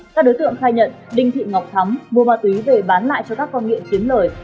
các đối tượng khai nhận đinh thị ngọc thắm mua ma túy về bán lại cho các con nghiện kiếm lời